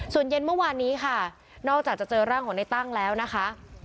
ส่วนเย็นเมื่อวานนี้ค่ะนอกจากจะเจอร่างของในตั้งแล้วนะคะ